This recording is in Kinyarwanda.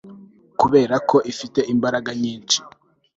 kubera ko ifite imbaraga nyinshi